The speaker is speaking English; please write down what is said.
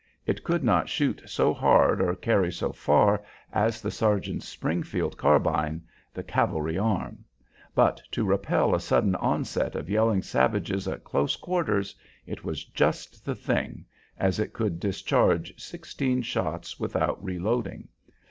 It could not shoot so hard or carry so far as the sergeant's Springfield carbine, the cavalry arm; but to repel a sudden onset of yelling savages at close quarters it was just the thing, as it could discharge sixteen shots without reloading.